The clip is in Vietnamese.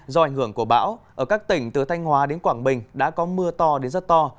do ảnh hưởng của bão ở các tỉnh từ thanh hóa đến quảng bình đã có mưa to đến rất to